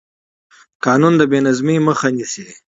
قانون د بې نظمۍ مخه نیسي